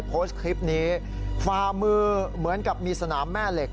โพสต์คลิปนี้ฝ่ามือเหมือนกับมีสนามแม่เหล็ก